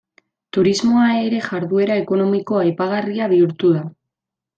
Turismoa ere jarduera ekonomiko aipagarria bihurtu da.